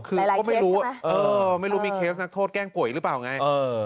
คือเราก็ไม่รู้ไม่รู้มีเคสนักโทษแกล้งป่วยหรือเปล่าไง